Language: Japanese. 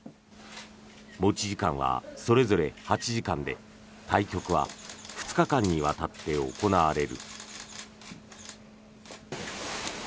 持ち時間はそれぞれ８時間で対局は２日間にわたって行われる。